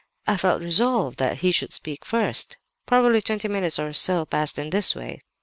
I felt resolved that he should speak first. Probably twenty minutes or so passed in this way.